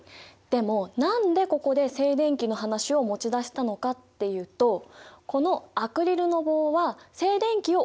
でも何でここで静電気の話を持ち出したのかっていうとこのアクリルの棒は静電気を帯びていたってこと。